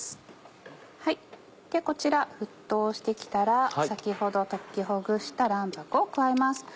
こちら沸騰して来たら先ほど溶きほぐした卵白を加えます。